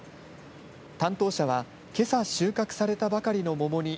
担当者は、けさ収穫されたばかりの桃に